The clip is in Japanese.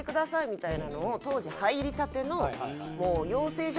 みたいなのを当時入りたての養成所